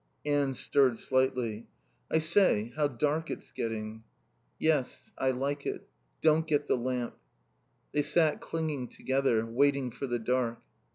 Anne stirred slightly. "I say, how dark it's getting." "Yes. I like it. Don't get the lamp." They sat clinging together, waiting for the dark.